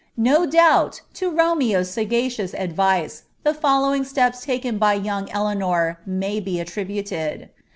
No doubt, to Romeo's sagacious advice the following steps taken by young Eleanor may be attributed.